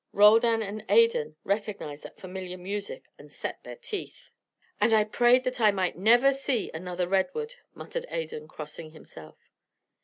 Roldan and Adan recognised that familiar music, and set their teeth. "And I prayed that I might never see another redwood," muttered Adan, crossing himself.